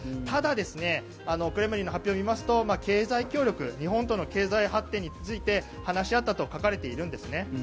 ただクレムリンの発表を見ますと経済協力日本との経済発展について話し合ったと書かれているんですね。